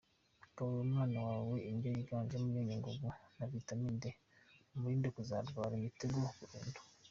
Gaburira umwana wawe indyo yiganjemo imyunyungugu na vitamine D, umurinde kuzarwara imitego burundu.